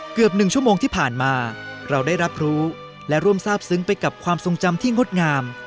เกือบ๑ชั่วโมงที่ผ่านมาเราได้รับรู้และร่วมทราบซึ้งไปกับความทรงจำที่งดงาม